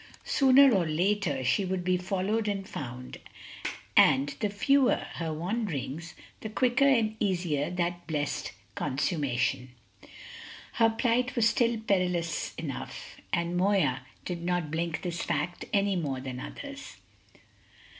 Sooner or later she would be followed and found, and the fewer her wanderings, the quicker and easier that blessed consummation. Her plight was still perilous enough, and Moya did not blink this fact any more than others.